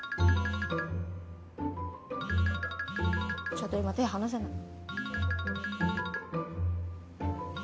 ちょっと今手離せない。